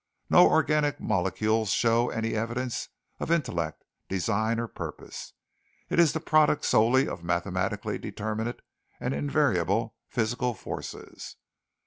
"No organic molecule shows any evidence of intellect, design or purpose. It is the product solely of mathematically determinate and invariable physical forces.